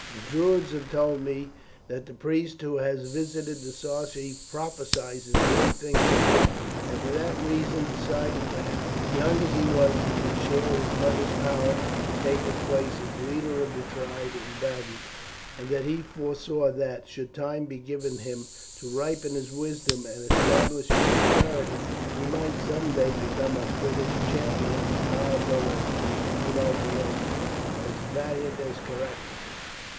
The Druids have told me that the priest who has visited the Sarci prophesies great things of him, and for that reason decided that, young as he was, he should share his mother's power and take his place as leader of the tribe in battle, and that he foresaw that, should time be given him to ripen his wisdom and establish his authority, he might some day become a British champion as powerful as Cunobeline, as valiant as Caractacus.